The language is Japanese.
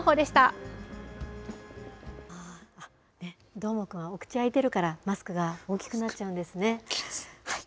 どーもくん、お口開いてるからマスクが大きくなっちゃうんですね。